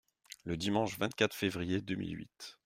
Le dimanche vingt-quatre février deux mille huit.